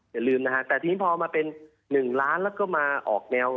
อย่าลืมนะฮะแต่ทีนี้พอมาเป็น๑ล้านแล้วก็มาออกแนว